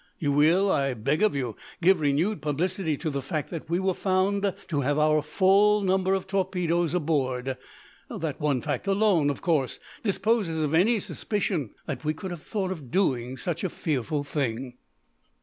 You will, I beg of you, give renewed publicity to the fact that we were found to have our full number of torpedoes aboard. That one fact, of course, disposes of any suspicion that we could have thought of doing such a fearful thing."